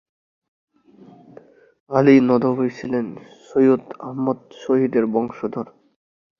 আলী নদভী ছিলেন সৈয়দ আহমদ শহীদের বংশধর।